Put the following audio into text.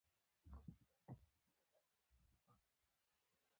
يودم يې هلک تر لاس ونيو او دواړه کېږدۍ ته ننوتل.